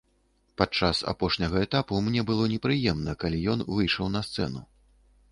Падчас апошняга этапу мне было непрыемна, калі ён выйшаў на сцэну.